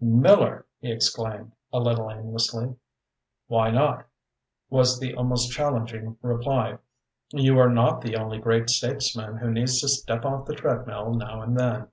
"Miller!" he exclaimed, a little aimlessly. "Why not?" was the almost challenging reply. "You are not the only great statesman who needs to step off the treadmill now and then."